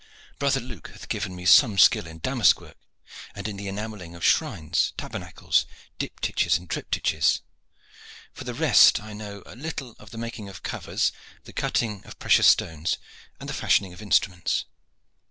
Brother Luke hath given me some skill in damask work, and in the enamelling of shrines, tabernacles, diptychs and triptychs. For the rest, I know a little of the making of covers, the cutting of precious stones, and the fashioning of instruments."